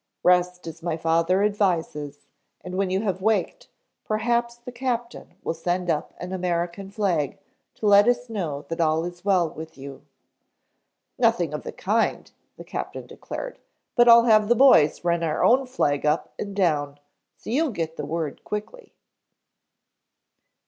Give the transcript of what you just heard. Rest as my father advises and when you have waked perhaps the Captain will send up an American flag to let us know that all is well with you " "Nothing of the kind," the captain declared. "But I'll have the boys run our own flag up and down so you'll get the word quickly."